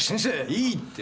いいって。